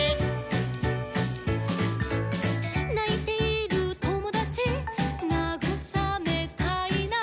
「ないているともだちなぐさめたいな」